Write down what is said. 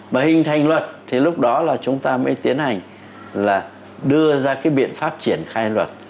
mà hình thành luật thì lúc đó là chúng ta mới tiến hành là đưa ra cái biện pháp triển khai luật